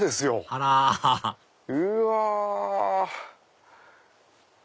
あらうわ！